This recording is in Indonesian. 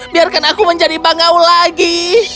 biarkan aku menjadi bangau lagi